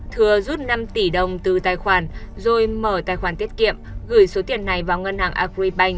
thừa rút năm tỷ đồng từ tài khoản rồi mở tài khoản tiết kiệm gửi số tiền này vào ngân hàng agribank